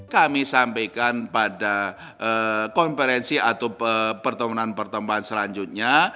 kami sampaikan pada konferensi atau pertontonan pertontohan selanjutnya